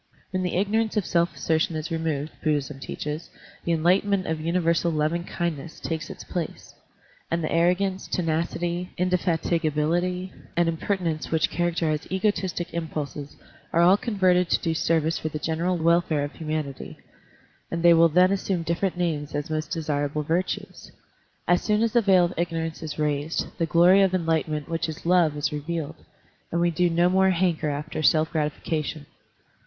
When the ignorance of self assertion is removed. Buddhism teaches, the enlightenment of universal lovingkindness takes its place ; and the arrogance, tenacity, indefatigability, and impertinence which characterize egotistic impulses are all converted to do service for the general welfare of humanity. Digitized by Google 128 SERMONS OF A BUDDHIST ABBOT and they will then assume different names as most desirable virtues. As soon as the veil of ignorance is raised, the glory of enlightenment which is love is revealed, and we do no more hanker after self gratification.